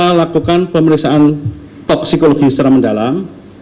dari pemeriksaan toksikologi ini kita pemeriksaan toksikologi secara mendalam